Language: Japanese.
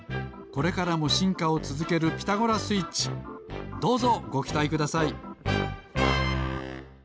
これからもしんかをつづける「ピタゴラスイッチ」どうぞごきたいください！